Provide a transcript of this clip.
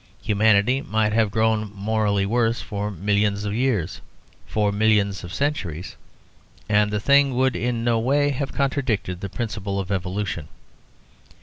Humanity might have grown morally worse for millions of centuries, and the thing would in no way have contradicted the principle of Evolution.